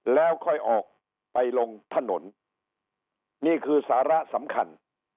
แล้วค่อยออกไปลงถนนนี่คือสาระสำคัญ